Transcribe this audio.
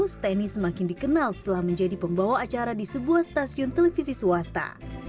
steny semakin dikenal setelah menjadi pembawa acara di sebuah stasiun televisi swasta